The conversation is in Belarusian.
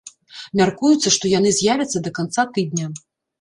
Мяркуецца, што яны з'явяцца да канца тыдня.